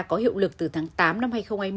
có hiệu lực từ tháng tám năm hai nghìn hai mươi